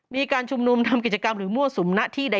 มีการชุมนุมทำกิจกรรมหรือมั่วสุมหน้าที่ใด